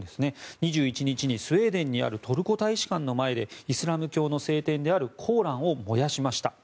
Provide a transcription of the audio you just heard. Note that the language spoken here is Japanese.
２１日にスウェーデンにあるトルコ大使館の前でイスラム教の聖典であるコーランを燃やしました。